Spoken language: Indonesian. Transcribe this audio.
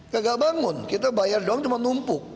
gagal bangun kita bayar doang cuma numpuk